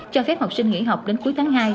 cho phép học sinh nghỉ học đến cuối tháng hai